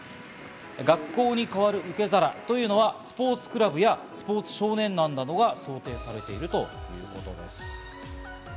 学校に代わる受け皿というのはスポーツクラブやスポーツ少年団などが想定されているということです。